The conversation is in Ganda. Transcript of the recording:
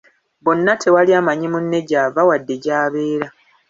Bonna tewali amanyi munne gy'ava wadde gy'abeera.